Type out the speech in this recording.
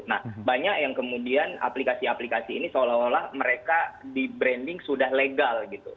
nah banyak yang kemudian aplikasi aplikasi ini seolah olah mereka di branding sudah legal gitu